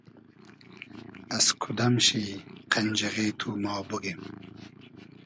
از کودئم شی قئنجیغې تو ما بوگیم